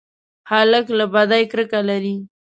هلک له بدۍ کرکه لري.